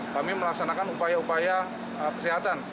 kami melaksanakan upaya upaya kesehatan